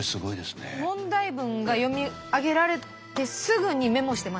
問題文が読み上げられてすぐにメモしてましたから。